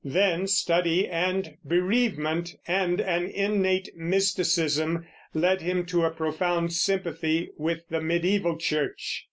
Then study and bereavement and an innate mysticism led him to a profound sympathy with the mediæval Church.